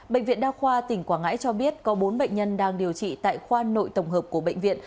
bệnh viện đa khoa tỉnh quảng ngãi cho biết có bốn bệnh nhân đang điều trị tại khoa nội tổng hợp của bệnh viện